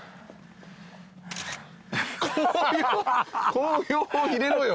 紅葉を入れろよ。